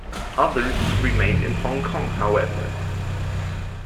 Others remained in Hong Kong, however.